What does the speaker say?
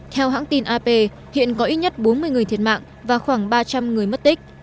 theo hãng tin ap hiện có ít nhất bốn mươi người thiệt mạng và khoảng ba trăm linh người mất tích